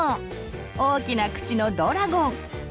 大きな口のドラゴン。